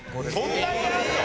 そんなにあるの！？